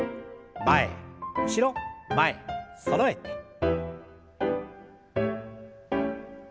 前後ろ前そろえて。